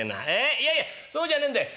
いやいやそうじゃねえんだよ。